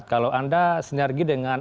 kalau anda senargi dengan